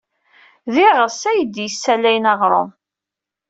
D iɣes ay d-yessalayen aɣrum.